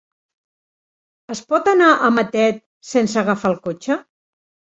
Es pot anar a Matet sense agafar el cotxe?